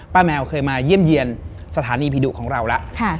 แมวเคยมาเยี่ยมเยี่ยมสถานีผีดุของเราแล้ว